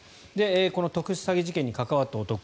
この特殊詐欺事件に関わった男。